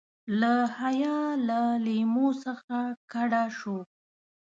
له حیا له لیمو څخه کډه شو.